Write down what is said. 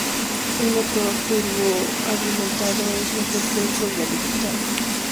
Un motor turboalimentado es mejor que un sobrealimentado.